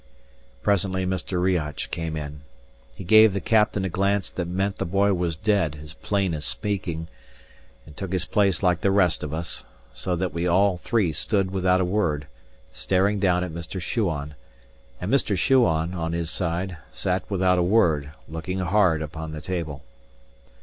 Presently Mr. Riach came in. He gave the captain a glance that meant the boy was dead as plain as speaking, and took his place like the rest of us; so that we all three stood without a word, staring down at Mr. Shuan, and Mr. Shuan (on his side) sat without a word, looking hard upon the table.